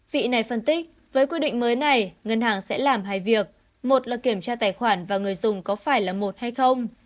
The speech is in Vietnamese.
vị này phân tích với quy định mới này ngân hàng sẽ làm hai việc một là kiểm tra tài khoản và người dùng có phải là một hay không